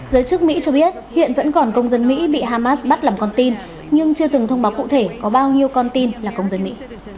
giới chức mỹ cho biết hiện vẫn còn công dân mỹ bị hamas bắt làm con tin nhưng chưa từng thông báo cụ thể có bao nhiêu con tin là công dân mỹ